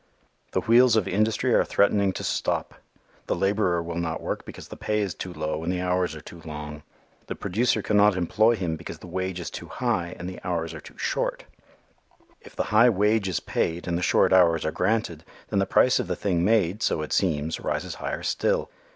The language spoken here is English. The wheels of industry are threatening to stop. The laborer will not work because the pay is too low and the hours are too long. The producer cannot employ him because the wage is too high, and the hours are too short. If the high wage is paid and the short hours are granted, then the price of the thing made, so it seems, rises higher still.